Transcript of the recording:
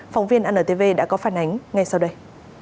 phóng viên antv đã có phản ánh ngay sau đây